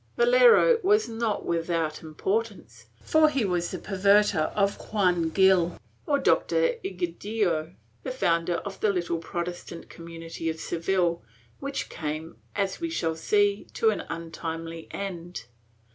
^ Valero was not without importance, for he was the perverter of Juan Gil, or Doctor Egidio, the founder of the little Protestant community of Seville which came, as we shall see, to an untimely end.